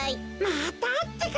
またってか？